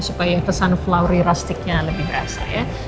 supaya kesan flower rustic nya lebih berasa